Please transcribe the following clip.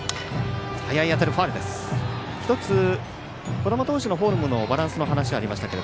小玉投手のフォームのバランスの話がありましたが。